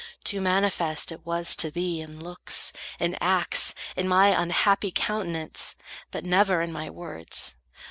Too manifest it was to thee, in looks, In acts, in my unhappy countenance, But never in my words.